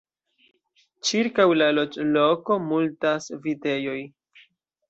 Ĉirkaŭ la loĝloko multas vitejoj.